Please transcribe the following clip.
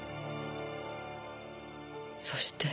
そして。